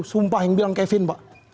sumpah yang bilang kevin pak